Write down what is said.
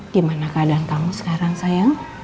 gimana keadaan kamu sekarang sayang